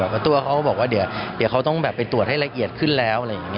อัตทรูก็บอกว่าเดี๋ยวเค้าต้องไปตรวจให้ละเอียดขึ้นแล้ว